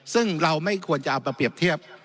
ซึ่งเราไม่ควรจะเอามาเปรียบเทียบ